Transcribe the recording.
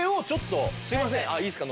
いいですか？